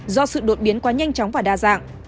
do sự đột biến quá nhanh chóng và đa dạng